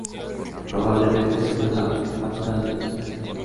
Probablemente asumió la jefatura de los incas.